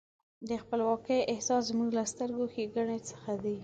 د خپلواکۍ احساس زموږ له سترو ښېګڼو څخه دی.